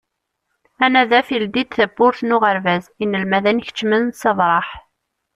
Anadaf ileddi-d tawwurt n uɣerbaz, inelmaden keččmen s abraḥ.